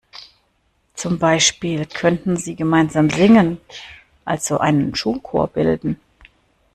Zum Beispiel könnten sie gemeinsam singen, also einen Schulchor bilden.